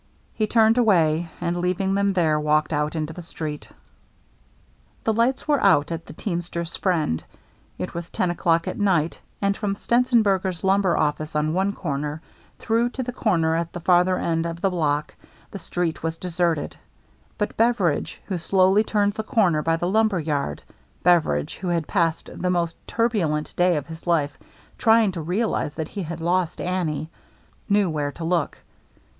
He turned away, and, leaving them there, walked out into the street. BEVERIDGE SURPRISES HIMSELF 411 The lights were out at "The Teamster's Friend/* It was ten o'clock at night, and from Stenzenberger's lumber office on one corner through to the corner at the farther end of the block the street was deserted. But Beveridge, who slowly turned the corner by the lumber yard, — Beveridge, who had passed the most turbulent day of his life trying to real ize that he had lost Annie, — knew where to look.